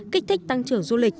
kích thích tăng trưởng du lịch